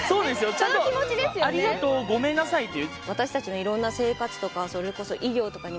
ちゃんと「ありがとう。ごめんなさい」って。